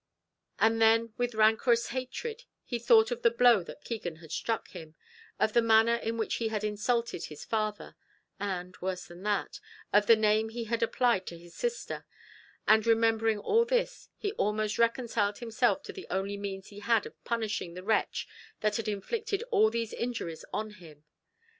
And then with rancorous hatred he thought of the blow that Keegan had struck him, of the manner in which he had insulted his father, and worse than all, of the name he had applied to his sister; and, remembering all this, he almost reconciled himself to the only means he had of punishing the wretch that had inflicted all these injuries on him.